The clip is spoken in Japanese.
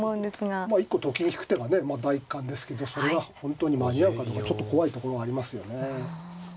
まあ一個と金引く手がね第一感ですけどそれが本当に間に合うかどうかちょっと怖いとこはありますよね。